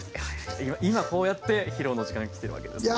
今こうやって披露の時間がきてるわけですね。